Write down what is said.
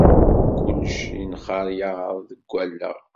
Kullec yenxaryaḍ deg wallaɣ.